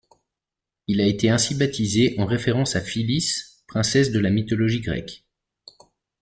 Il a été ainsi baptisé en référence à Phyllis, princesse de la mythologie grecque.